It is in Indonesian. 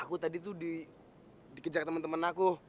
aku tadi tuh dikejar temen temen aku